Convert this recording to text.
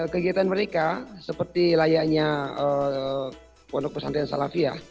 kegiatan mereka seperti layaknya pondok pesantren salafi ya